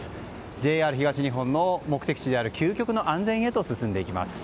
ＪＲ東日本の目的地である究極の安全へ進んでいきます。